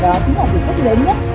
đó chính là lực lượng lớn nhất